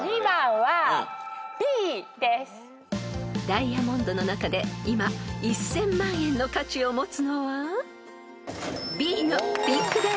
［ダイヤモンドの中で今１，０００万円の価値を持つのは］